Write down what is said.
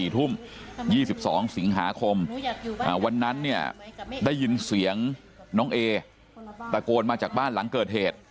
๒๒สิงหาคมวันนั้นเนี่ยได้ยินเสียงน้องเอตะโกนมาจากบ้านหลังเกิดเหตุ